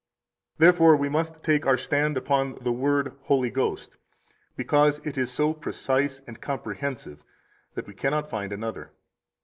Therefore we must take our stand upon the word Holy Ghost, because it is so precise and comprehensive that we cannot find another.